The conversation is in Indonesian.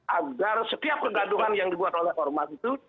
agar setiap kegaduhan yang dibuat oleh ormas itu